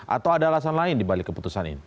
atau ada alasan lain di balik keputusan ini